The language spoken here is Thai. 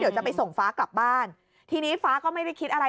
เดี๋ยวจะไปส่งฟ้ากลับบ้านทีนี้ฟ้าก็ไม่ได้คิดอะไร